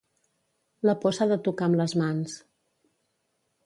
La por s'ha de tocar amb les mans.